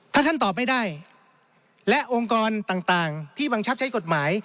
ถ้าท่านตอบไม่ได้และองค์กรต่างที่บังคับใช้กฎหมาย